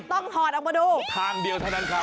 ถอดออกมาดูทางเดียวเท่านั้นครับ